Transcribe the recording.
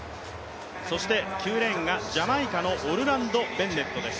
そして９レーンがジャマイカのオルランド・ベンネットです。